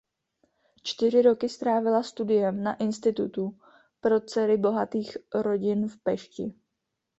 Čtyři roky strávila studiem na institutu pro dcery bohatých rodin v Pešti.